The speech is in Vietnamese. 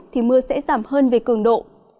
thì mưa sẽ giảm hơn về cường độ